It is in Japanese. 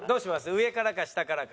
上からか下からか。